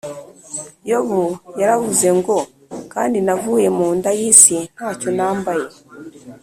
yobu yaravuze ngo kandi navuye munda yisi ntacyo nambaye